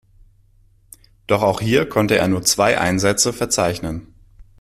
Doch auch hier konnte er nur zwei Einsätze verzeichnen.